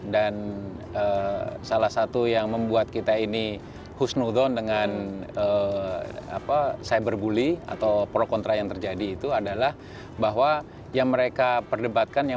dan salah satu yang membuat kita ini hussnudon dengan cyberbully atau pro kontra yang terjadi itu adalah bahwa yang mereka perdebatkan